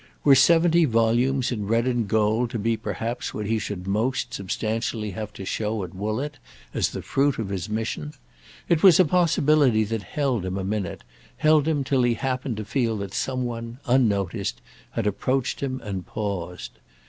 Were seventy volumes in red and gold to be perhaps what he should most substantially have to show at Woollett as the fruit of his mission? It was a possibility that held him a minute—held him till he happened to feel that some one, unnoticed, had approached him and paused.